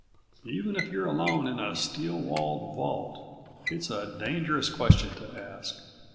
Even if you're alone in a steel walled vault it's a dangerous question to ask.